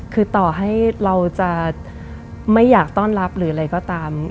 คือต่อให้เราจะไม่อยากต้อนรับหรืออะไรก็ตาม